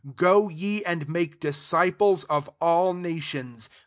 19 Go ye and make disciples of all nations.